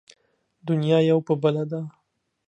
دنيا يو په بله ده.